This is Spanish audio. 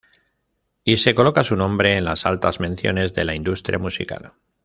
Y se coloca su nombre en las altas menciones de la industria musical.